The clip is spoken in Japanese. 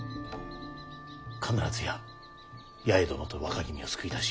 必ずや八重殿と若君を救い出し